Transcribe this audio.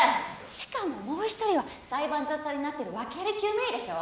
しかももう一人は裁判沙汰になってる訳あり救命医でしょ？